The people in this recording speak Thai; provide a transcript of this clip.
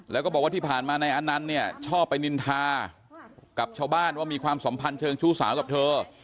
แล้วก็บอกว่าที่ผ่านมานายอนันต์เนี่ยชอบไปนินทากับชาวบ้านว่ามีความสัมพันธ์เชิงชู้สาวกับเธอ